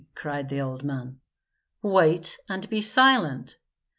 cried the old man. "Wait and be silent!